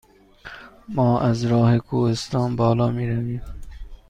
ما از راه کوهستان بالا می رویم؟